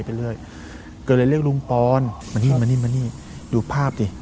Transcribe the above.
ก็เลยเรียกลุงปอนมานี่ดูภาพดิ